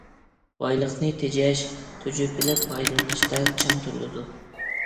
بايلىقنى تېجەش، تۈجۈپىلەپ پايدىلىنىشتا چىڭ تۇرۇلىدۇ.